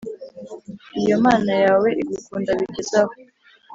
iyo mana yawe igukunda bigeze aho